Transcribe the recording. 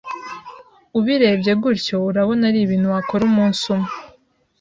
Ubirebye gutyo urabona ari ibintu wakora umunsi umwe